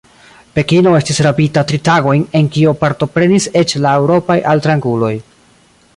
Pekino estis rabita tri tagojn, en kio partoprenis eĉ la eŭropaj altranguloj.